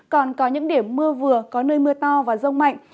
còn có những điểm mưa vừa có nơi mưa to và rông mạnh